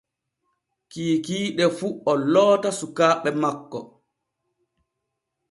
Kikiiɗe fu o loota sukaaɓe makko.